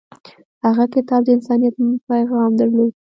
هغه کتاب د انسانیت پیغام درلود.